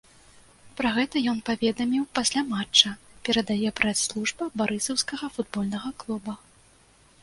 Пра гэта ён паведаміў пасля матча, перадае прэс-служба барысаўскага футбольнага клуба.